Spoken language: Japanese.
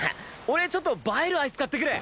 俺ちょっと映えるアイス買ってくる！